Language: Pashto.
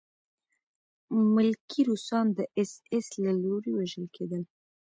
ملکي روسان د اېس ایس له لوري وژل کېدل